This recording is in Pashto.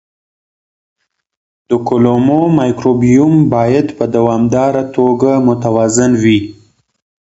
د کولمو مایکروبیوم باید په دوامداره توګه متوازن وي.